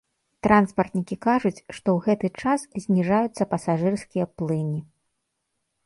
Транспартнікі кажуць, што ў гэты час зніжаюцца пасажырскія плыні.